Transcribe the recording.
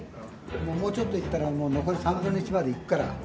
もうちょっと行ったら、もう残り３分の１まで行くから。